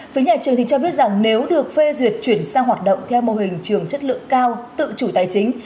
phía nhà trường cho biết rằng nếu được phê duyệt chuyển sang hoạt động theo mô hình trường chất lượng cao tự chủ tài chính